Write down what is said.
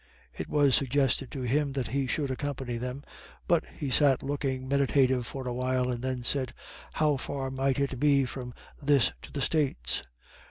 It was suggested to him that he should accompany them, but he sat looking meditative for a while, and then said, "How far might it be from this to the States?"